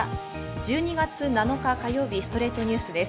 １２月７日、火曜日『ストレイトニュース』です。